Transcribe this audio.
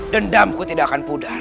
dendamku tidak akan berakhir